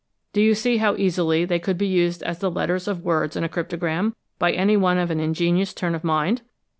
Do you see how easily, they could be used as the letters of words in a cryptogram, by any one of an ingenious turn of mind?